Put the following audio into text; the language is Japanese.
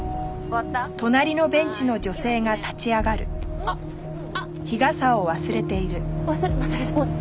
わ忘れてます。